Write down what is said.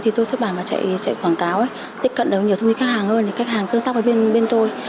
thì tôi xuất bản và chạy quảng cáo tiếp cận được nhiều thông tin khách hàng hơn thì khách hàng tương tác với bên tôi